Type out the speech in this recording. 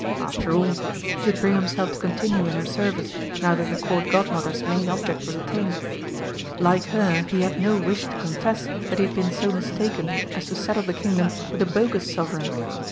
After all, he could bring himself to continue in her service, now that the Court Godmother's main object was attained. Like her, he had no wish to confess that he had been so mistaken as to saddle the Kingdom with a bogus Sovereign.